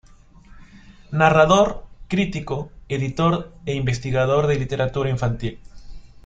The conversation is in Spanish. Narrador, crítico, editor e investigador de literatura infantil.